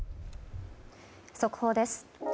速報です。